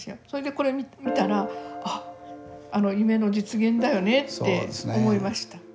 それでこれ見たらあっあの夢の実現だよねって思いました。